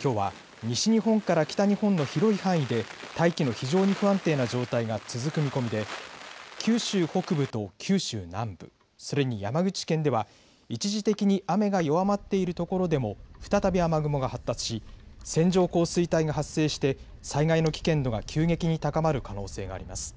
きょうは西日本から北日本の広い範囲で大気の非常に不安定な状態が続く見込みで九州北部と九州南部それに山口県では、一時的に雨が弱まっている所でも再び雨雲が発達し線状降水帯が発生して災害の危険度が急激に高まる可能性があります。